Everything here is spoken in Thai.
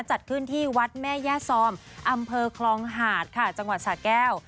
จัดขึ้นที่วัดแม่ย่าซอมอำเภอคลองหาดค่ะจังหวัดสะแก้ว